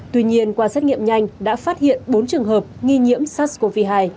tuy nhiên qua xét nghiệm nhanh đã phát hiện bốn trường hợp nghi nhiễm sars cov hai